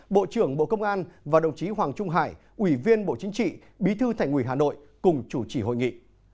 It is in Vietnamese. bộ trưởng bộ công an và đồng chí hoàng trung hải ủy viên bộ chính trị bí thư thành ủy hà nội cùng chủ trì hội nghị